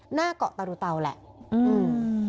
หน้าเกาะตารูเตาแหละอืม